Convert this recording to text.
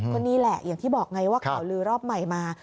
ก็นี่แหละอย่างที่บอกไงว่าข่าวลือรอบใหม่มา